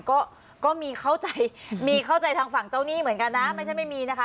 ก็ก็มีเข้าใจมีเข้าใจทางฝั่งเจ้าหนี้เหมือนกันนะไม่ใช่ไม่มีนะคะ